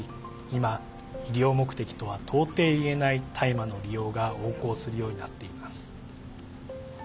今、医療目的とは到底言えない大麻の利用が横行するようになっています。